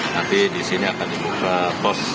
nanti di sini akan dibuka pos